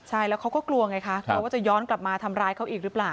ใช่แล้วเขาก็กลัวไงคะกลัวว่าจะย้อนกลับมาทำร้ายเขาอีกหรือเปล่า